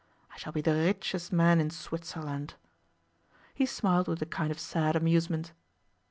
I shall be the richest man in Switzerland.' He smiled with a kind of sad amusement.